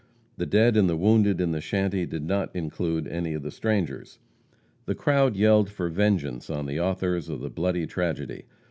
The dead and the wounded in the shanty did not include any of the strangers. The crowd yelled for vengeance on the authors of the bloody tragedy.